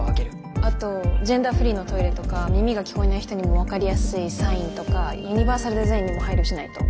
あとジェンダーフリーのトイレとか耳が聞こえない人にも分かりやすいサインとかユニバーサルデザインにも配慮しないと。